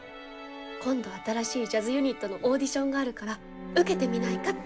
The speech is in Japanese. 今度新しいジャズユニットのオーディションがあるから受けてみないかって。